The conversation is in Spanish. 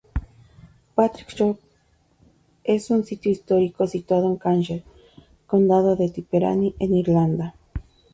Patrick's Rock, es un sitio histórico situado en Cashel, condado de Tipperary, en Irlanda.